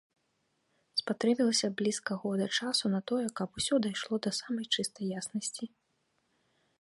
Спатрэбілася блізка года часу на тое, каб усё дайшло да самай чыстай яснасці.